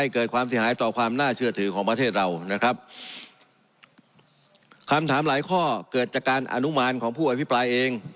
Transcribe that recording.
คำถามหลายข้อเกิดจากการอนุมารของผู้อภิภัยเอง